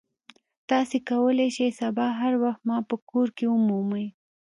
تاسو کولی شئ سبا هر وخت ما په کور کې ومومئ